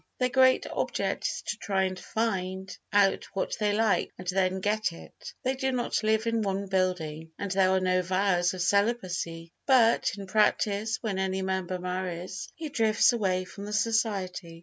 Their great object is to try and find out what they like and then get it. They do not live in one building, and there are no vows of celibacy, but, in practice, when any member marries he drifts away from the society.